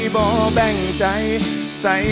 ขอบคุณมาก